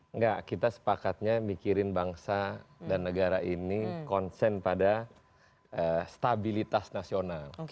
enggak kita sepakatnya mikirin bangsa dan negara ini konsen pada stabilitas nasional